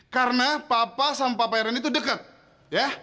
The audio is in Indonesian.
karena papa sama papa yang reni tuh deket ya